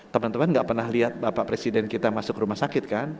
teman teman nggak pernah lihat bapak presiden kita masuk rumah sakit kan